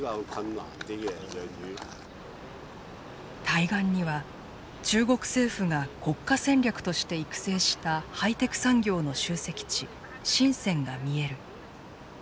対岸には中国政府が国家戦略として育成したハイテク産業の集積地深が見える。